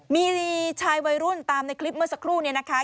มีชายวัยรุ่นตามในคลิปเมื่อสักครู่นี้นะคะ